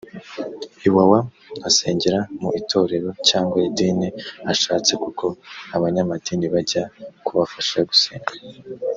iwawa asengera mu itorero cyanga idini ashatse kuko abanyamadini bajya kubafasha gusenga